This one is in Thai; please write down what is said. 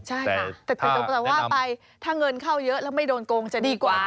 ใช่ค่ะแต่ว่าไปถ้าเงินเข้าเยอะแล้วไม่โดนโกงจะดีกว่า